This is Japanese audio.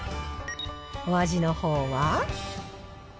お味のほうは？